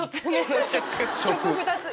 「食」２つ。